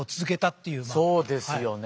そうですよね。